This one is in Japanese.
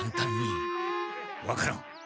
分からん。